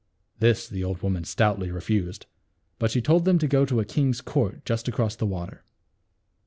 This the old woman stoutly refused ; but she told them to go to a king's court just across the water.